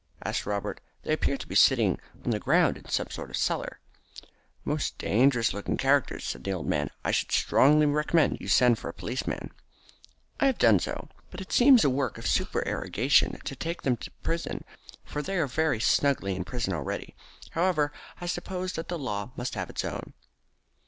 asked Robert. "They appear to be sitting on the ground in some sort of a cellar." "Most dangerous looking characters," said the old man. "I should strongly recommend you to send for a policeman." "I have done so. But it seems a work of supererogation to take them to prison, for they are very snugly in prison already. However, I suppose that the law must have its own."